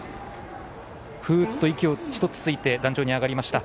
ふーっと息をついて壇上に上がりました。